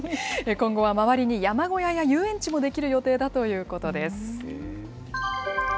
今後は周りに山小屋や遊園地も出来る予定だということです。